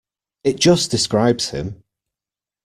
It just describes him.